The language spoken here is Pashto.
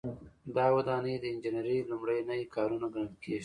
دا ودانۍ د انجنیری لومړني کارونه ګڼل کیږي.